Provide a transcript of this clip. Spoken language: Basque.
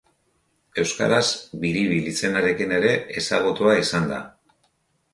Euskaraz Biribil izenarekin ere ezagutua izan da.